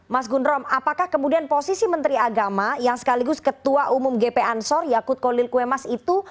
mas gundrom apakah kemudian posisi menteri agama yang sekaligus ketua umum gp ansor yakut kolil kwemas itu